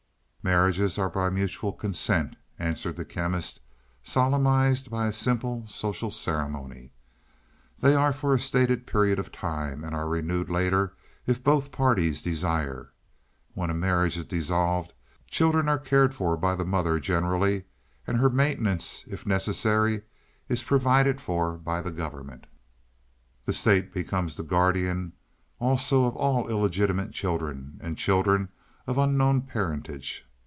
"Marriages are by mutual consent," answered the Chemist, "solemnized by a simple, social ceremony. They are for a stated period of time, and are renewed later if both parties desire. When a marriage is dissolved children are cared for by the mother generally, and her maintenance if necessary is provided for by the government. The state becomes the guardian also of all illegitimate children and children of unknown parentage.